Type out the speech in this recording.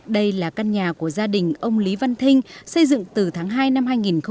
đây là căn nhà của gia đình ông lý văn thinh xây dựng từ tháng hai năm hai nghìn một mươi